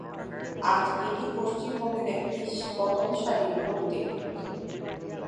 আজ এটি পশ্চিমবঙ্গের একটি প্রথম সারির পলিটেকনিক।